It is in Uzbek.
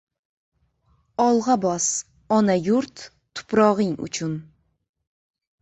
Olg‘a bos, ona yurt, tuprog‘ing uchun!